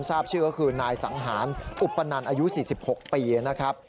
ทราบชื่อก็คือนายสังหารอุปนันอายุ๔๖ปีนะครับ